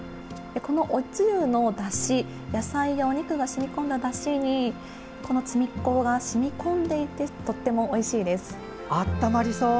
このおつゆのだし野菜やお肉が染み込んだだしに「つみっこ」が染み込んでいてとってもおいしいです。